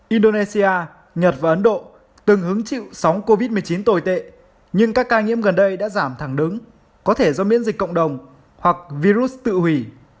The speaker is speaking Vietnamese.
indonesia nhật và ấn độ từng hứng chịu sóng covid một mươi chín tồi tệ nhưng các ca nhiễm gần đây đã giảm thẳng đứng có thể do miễn dịch cộng đồng hoặc virus tự hủy